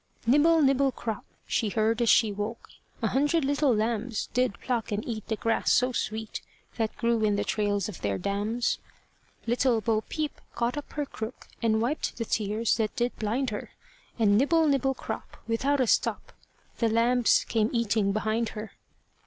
Nibble, nibble, crop! she heard as she woke: A hundred little lambs Did pluck and eat the grass so sweet That grew in the trails of their dams. Little Bo Peep caught up her crook, And wiped the tears that did blind her. And nibble, nibble crop! without a stop! The lambs came eating behind her.